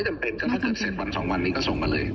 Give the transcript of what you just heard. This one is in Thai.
ไม่จำเป็นถ้าเกิดเสร็จ๑๒วันก็ส่งมาเลย